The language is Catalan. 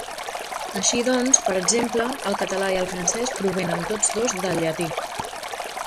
Així, doncs, per exemple, el català i el francès provenen tots dos del llatí.